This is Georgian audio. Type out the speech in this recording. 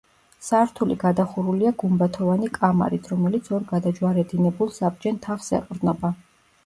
სართული გადახურულია გუმბათოვანი კამარით, რომელიც ორ გადაჯვარედინებულ საბჯენ თაღს ეყრდნობა.